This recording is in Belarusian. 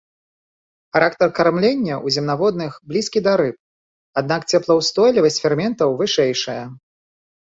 Характар кармлення ў земнаводных блізкі да рыб, аднак цеплаўстойлівасць ферментаў вышэйшая.